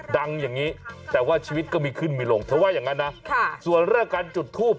อย่างนี้แต่ว่าชีวิตก็มีขึ้นมีลงเธอว่าอย่างนั้นนะส่วนเรื่องการจุดทูป